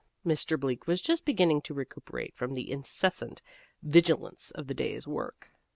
Mr. Bleak was just beginning to recuperate from the incessant vigilance of the day's work.